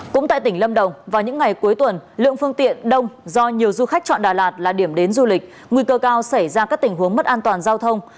cũng tại tỉnh lâm đồng vào những ngày cuối tuần lượng phương tiện đông do nhiều du khách chọn đà lạt là điểm đến du lịch nguy cơ cao xảy ra các tình huống mất an toàn giao thông